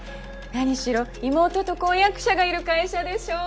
なにしろ妹と婚約者がいる会社でしょう？